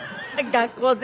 学校で？